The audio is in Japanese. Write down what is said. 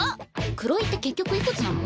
黒井って結局いくつなの？